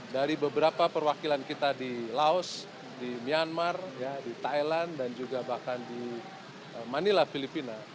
dari beberapa perwakilan kita di laos di myanmar di thailand dan juga bahkan di manila filipina